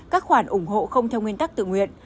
các khoản ủng hộ không theo nguyên tắc tự nguyện